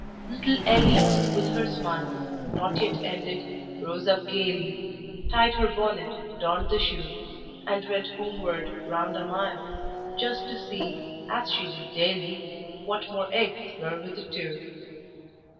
Little Ellie, with her smile Not yet ended, rose up gaily, Tied the bonnet, donned the shoe, And went homeward, round a mile, Just to see, as she did daily, What more eggs were with the two.